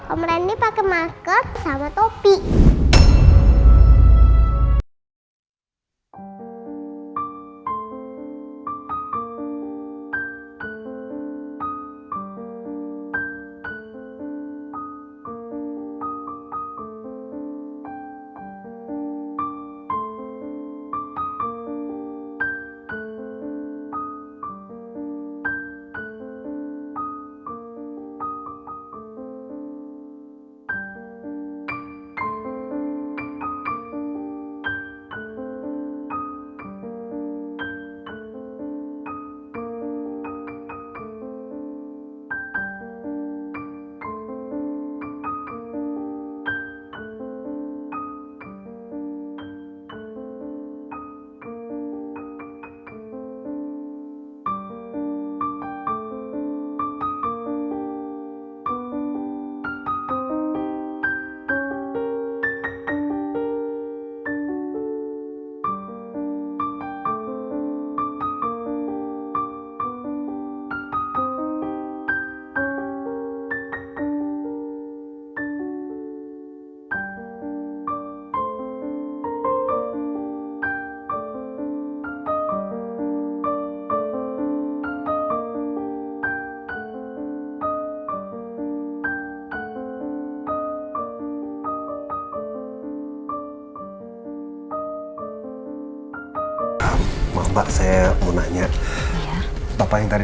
om randy pake masker sama topi